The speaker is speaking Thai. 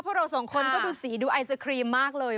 เวาเราสองคนก็ดูกิตัวสีดูไอสครีมมากเลย